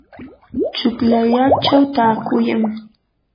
chuklallachaw taakuyan.